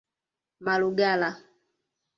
Malugala